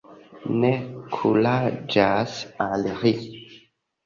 Ne kuraĝas aliri.